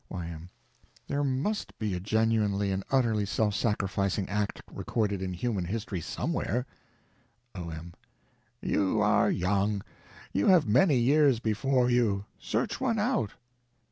Y.M. There must be a genuinely and utterly self sacrificing act recorded in human history somewhere. O.M. You are young. You have many years before you. Search one out.